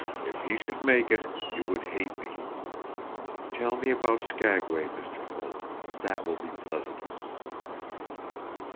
"If he should make it, you would hate me. Tell me about Skagway, Mr. Holt. That will be pleasanter."